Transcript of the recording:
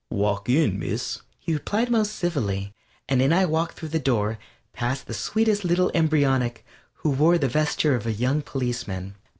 "Walk in, Miss," he replied most civilly, and in I walked through the door, past the sweetest little embryonic, who wore the vesture of a young policeman.